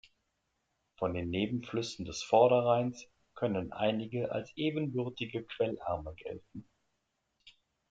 Von den Nebenflüssen des Vorderrheins können einige als ebenbürtige Quellarme gelten.